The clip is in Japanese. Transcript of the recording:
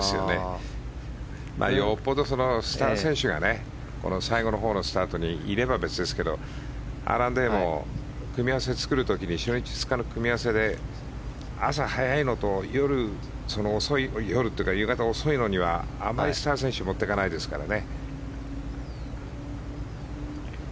よっぽどスター選手が最後のほうにスタートにいれば別ですけど組み合わせ作る時に初日から組み合わせで朝早いのと夕方遅いのにはあんまりスター選手持っていかないですからね。